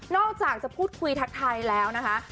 อกจากจะพูดคุยทักทายแล้วนะคะ